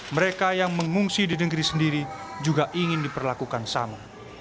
mereka yang mengungsi di negeri sendiri juga ingin diperlakukan sama